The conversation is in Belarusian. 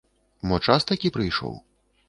Мо час такі прыйшоў?